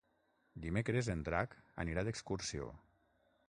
Dimecres en Drac anirà d'excursió.